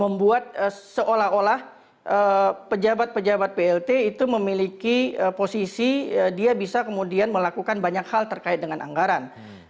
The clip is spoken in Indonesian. membuat seolah olah pejabat pejabat plt itu memiliki posisi dia bisa kemudian melakukan banyak hal terkait dengan anggaran